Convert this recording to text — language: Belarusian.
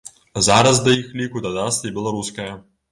Зараз да іх ліку дадасца і беларуская.